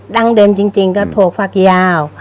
ั้งเดิมจริงก็โถฟักยาว